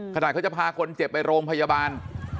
ขนาดเขาจะพาคนเจ็บไปโรงพยาบาล